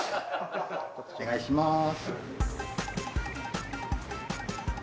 お願いします。